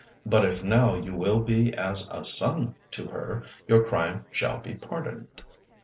But if now you will be as a son to her, your crime shall be pardoned."